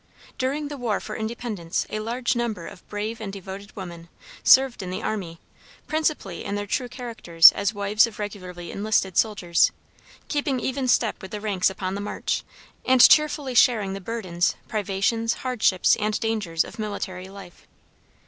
During the war for Independence a large number of brave and devoted women served in the army, principally in their true characters as wives of regularly enlisted soldiers, keeping even step with the ranks upon the march, and cheerfully sharing the burdens, privations, hardships, and dangers of military life.